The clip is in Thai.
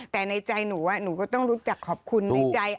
แต่ในใจหนูหนูก็ต้องรู้จักขอบคุณในใจ